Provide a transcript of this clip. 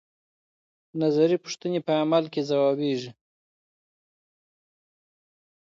نظري پوښتنې په عمل کې ځوابيږي.